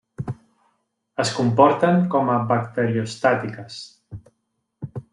Es comporten com a bacteriostàtiques.